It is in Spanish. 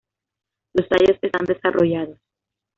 Los tallos están desarrollados.